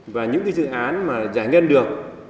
và những dự án mà giải ngân được